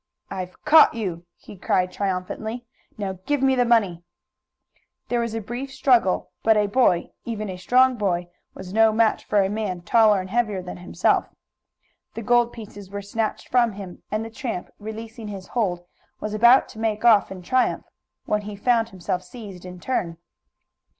"I've caught you!" he cried triumphantly. "Now give me the money!" There was a brief struggle, but a boy, even a strong boy, was no match for a man taller and heavier than himself. The gold pieces were snatched from him, and the tramp, releasing his hold, was about to make off in triumph when he found himself seized in turn.